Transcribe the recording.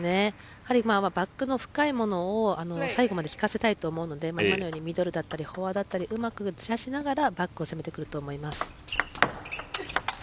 バックの深いものを最後まで効かせたいと思うので今のようにミドルだったりフォアだったりうまく散らしながらバックを攻めてくると思います。